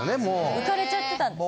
浮かれちゃってたんです。